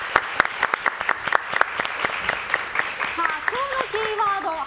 今日のキーワード